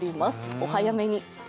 お早めに。